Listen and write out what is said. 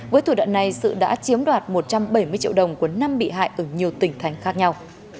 với thủ đoạn này sự đã chiếm đoạt một trăm bảy mươi triệu đồng của năm bị hại ở nhiều tỉnh thành khác nhau